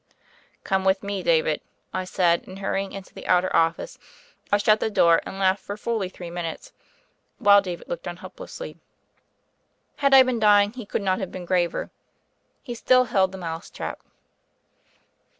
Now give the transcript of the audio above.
"Come with me, David," I said, and hurry ing into the outer office I shut the door, and laughed for fully three minutes, while David looked on helplessly. Had I been dying he could not have been graver. He still held the mouse trap.